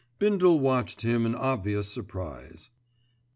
Bindle watched him in obvious surprise.